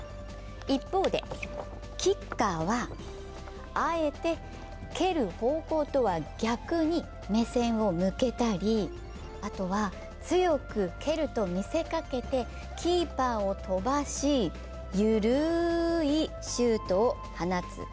一方でキッカーはあえて蹴る方向とは逆に目線を向けたり強く蹴ると見せかけてキーパーを飛ばし緩いシュートを放つ。